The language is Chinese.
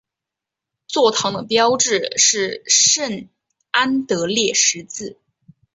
座堂的标志是圣安德烈十字。